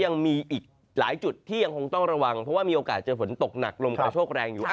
ยังอยู่ดีอยู่ดีนะหรือเหมือนจริง